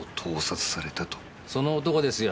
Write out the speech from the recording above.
その男ですよ。